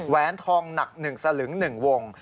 แหนทองหนัก๑สลึง๑วง